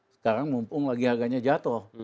sekarang mumpung lagi harganya jatuh